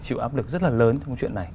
chịu áp lực rất là lớn trong chuyện này